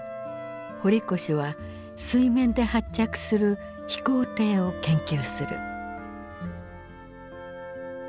堀越は水面で発着する飛行艇を研究する。